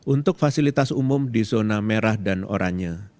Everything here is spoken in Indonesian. untuk fasilitas umum di zona merah dan oranye